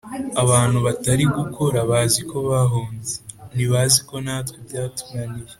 Abantu batari gukora baziko bahombye ,ntibaziko natwe byatunaniye